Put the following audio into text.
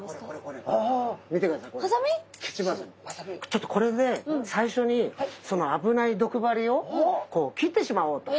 ちょっとこれで最初にその危ない毒針をこう切ってしまおうと。